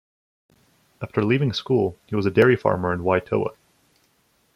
After leaving school, he was a dairy farmer in Waitoa.